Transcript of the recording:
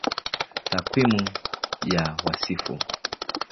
Takwimu ya Wasifu